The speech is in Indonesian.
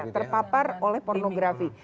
terpapar oleh pornografi